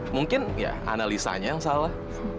mungkin ya analisanya yang salah